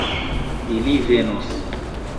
Ili venos.